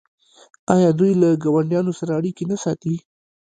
آیا دوی له ګاونډیانو سره اړیکې نه ساتي؟